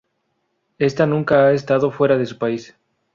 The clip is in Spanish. Esta nunca ha estado fuera de su país.